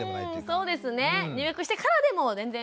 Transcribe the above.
そうですね。入学してからでも全然。